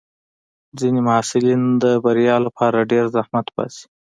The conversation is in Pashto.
ځینې محصلین د بریا لپاره ډېر زحمت باسي.